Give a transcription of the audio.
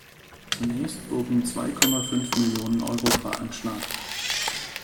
Zunächst wurden zwei Komma fünf Millionen Euro veranschlagt.